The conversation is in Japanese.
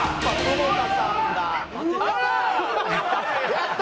やった！